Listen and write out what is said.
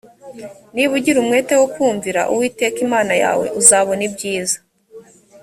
niba ugira umwete wo kumvira uwiteka imana yawe uzabona ibyiza